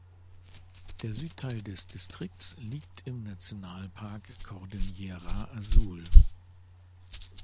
Der Südteil des Distrikts liegt im Nationalpark Cordillera Azul.